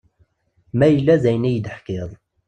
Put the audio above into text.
Ma yella d ayen iyi-d-teḥkiḍ.